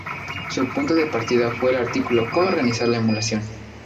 Su punto de partida fue el artículo "¿Cómo organizar la emulación?